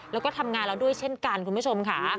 แล้วก็ทำงานแล้วด้วยเช่นกันคุณผู้ชมค่ะ